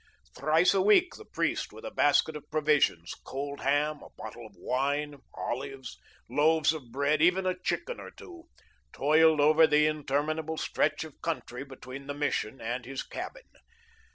Thrice a week the priest, with a basket of provisions cold ham, a bottle of wine, olives, loaves of bread, even a chicken or two toiled over the interminable stretch of country between the Mission and his cabin.